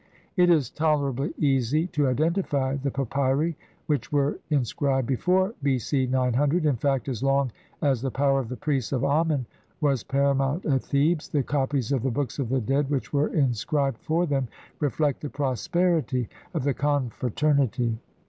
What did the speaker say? It is tolerably easy to identify the papyri which were in scribed before B. C. 900, in fact, as long as the power of the priests of Amen was paramount at Thebes, the copies of the Books of the Dead which were inscrib ed for them reflect the prosperity of the confratern ity.